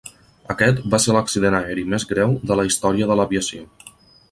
Aquest va ser l'accident aeri més greu de la història de l'aviació.